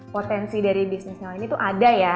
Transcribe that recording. potensi dari bisnis sewa ini tuh ada ya